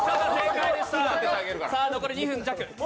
さあ残り２分弱。